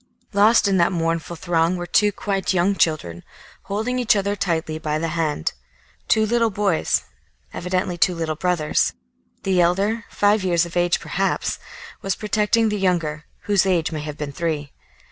Lost in that mournful throng were two quite young children, holding each other tightly by the hand, two little boys, evidently two little brothers. The elder, five years of age perhaps, was protecting the younger, whose age may have been three.